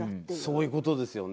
そういうことです。